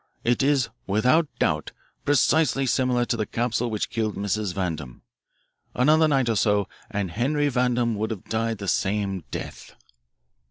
It is, without doubt, precisely similar to the capsule which killed Mrs. Vandam. Another night or so, and Henry Vandam would have died the same death."